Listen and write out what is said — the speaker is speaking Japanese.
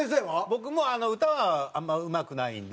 僕も歌はあんまうまくないんで。